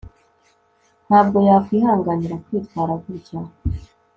ntabwo yakwihanganira kwitwara gutya